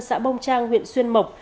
xã bông trang huyện xuyên mộc